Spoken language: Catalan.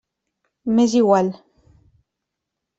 M'és igual.